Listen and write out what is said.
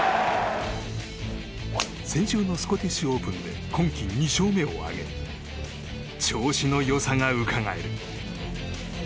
先週のスコティッシュオープンで今季２勝目を挙げ調子のよさがうかがえる。